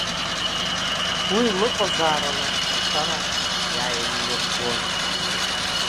Уи лыҟазаарала мацара иааиллыргон.